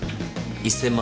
１，０００万